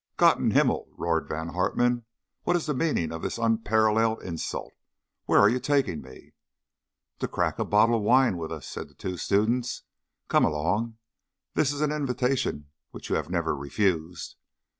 "Gott in himmel!" roared Von Hartmann. "What is the meaning of this unparalleled insult? Where are you taking me?" "To crack a bottle of wine with us," said the two students. "Come along! That is an invitation which you have never refused."